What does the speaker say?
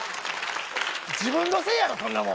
自分のせいやろ、そんなもん。